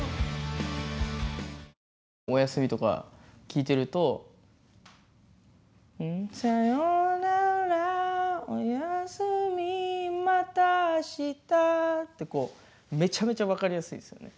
「おやすみ」とか聴いてると「さよならおやすみまた明日」ってこうめちゃめちゃ分かりやすいですよね